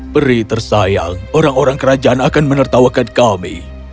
peri tersayang orang orang kerajaan akan menertawakan kami